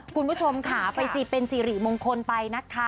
คุณผู้ชมค่ะไปสิเป็นสิริมงคลไปนะคะ